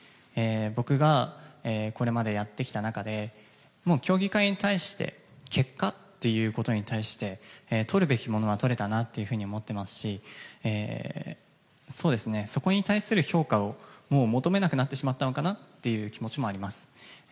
僕がこれまでやってきた中で競技会に対して結果ということに対してとるべきものはとれたなと思っていますしそこに対する評価をもう求めなくなってしまったのかなという気持ちもあります。